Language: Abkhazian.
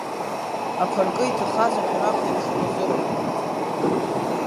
Аԥаркы иҭахаз ашәарах еиԥш дуазыруан…